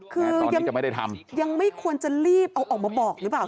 คือยังไม่ควรจะรีบเอาออกมาบอกหรือเปล่า